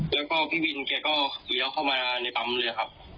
แล้วก็พี่วินแกก็เลี้ยวเข้ามาในปั๊มเลยครับ